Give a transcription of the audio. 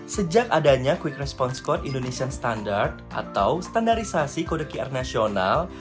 sejak adanya quick response code indonesian standard atau standarisasi kode qr nasional